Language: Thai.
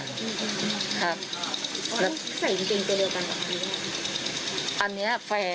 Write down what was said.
อ๋อใส่กางเกงไปเดียวกันหรือเปล่า